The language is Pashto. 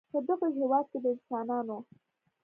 په دغه هېواد کې د انسانانو